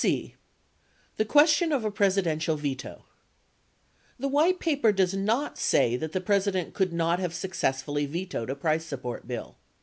c. The Question of a Presidential Veto The White Paper does not say that the President could not have successfully vetoed a price support bill.